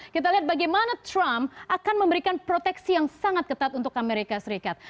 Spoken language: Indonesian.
kita lihat bagaimana trump akan memberikan proteksi yang sangat ketat untuk amerika serikat